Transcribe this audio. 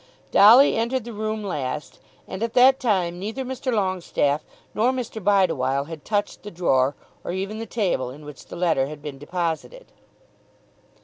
Dolly entered the room last, and at that time neither Mr. Longestaffe nor Mr. Bideawhile had touched the drawer, or even the table, in which the letter had been deposited.